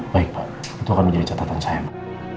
baik pak itu akan menjadi catatan saya